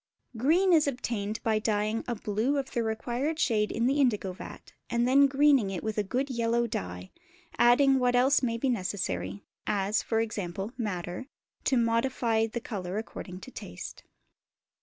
Green is obtained by dyeing a blue of the required shade in the indigo vat, and then greening it with a good yellow dye, adding what else may be necessary (as, e.g., madder) to modify the colour according to taste.